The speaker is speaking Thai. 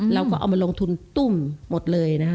เราก็เอามาลงทุนตุ้มหมดเลยนะคะ